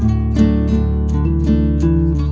udah bangun kamu